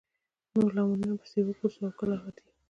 نورو لاملونو پسې وګرځو او کله د عادي